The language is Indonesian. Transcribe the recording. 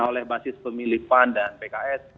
oleh basis pemilih pan dan pks